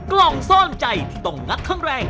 กล่องซ่อนใจที่ต้องงัดทั้งแรง